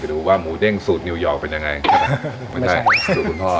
ดูว่าหมูเด้งสูตรนิวยอร์กเป็นยังไงไม่ใช่สูตรคุณพ่อ